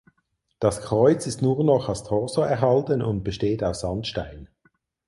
Das Kreuz ist nur noch als Torso erhalten und besteht aus Sandstein.